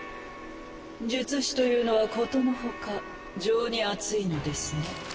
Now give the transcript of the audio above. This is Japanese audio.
術師というのは殊の外情に厚いのですね。